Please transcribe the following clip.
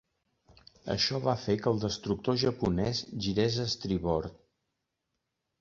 Això va fer que el destructor japonès girés a estribord.